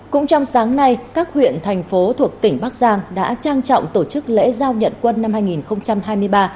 cũng trong sáng nay các huyện thành phố thuộc tỉnh bắc giang đã trang trọng tổ chức lễ giao nhận quân năm hai nghìn hai mươi ba